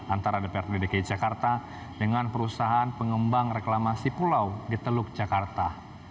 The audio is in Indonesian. antara dprd dki jakarta dengan perusahaan pengembang reklamasi pulau di teluk jakarta